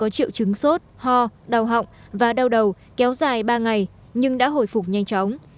đứng sốt ho đầu họng và đau đầu kéo dài ba ngày nhưng đã hồi phục nhanh chóng